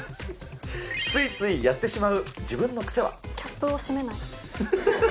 ついついやってしまう自分のキャップを閉めない。